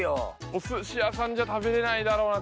おすし屋さんじゃ食べれないだろうな